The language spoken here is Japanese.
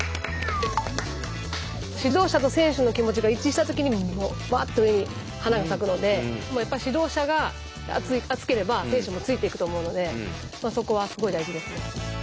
指導者と選手の気持ちが一致した時にうわっと上に花が咲くのでやっぱ指導者が熱ければ選手もついていくと思うのでそこはすごい大事ですね。